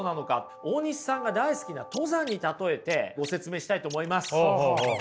大西さんが大好きな登山に例えてご説明したいと思います。